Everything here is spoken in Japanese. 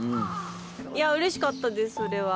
いやうれしかったですそれは。